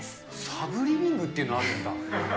サブリビングっていうのあるんだ。